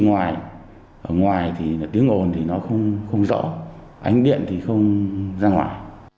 ngoài ở ngoài thì tiếng ồn thì nó không rõ ánh điện thì không ra ngoài